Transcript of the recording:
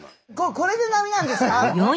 これで並なんですか？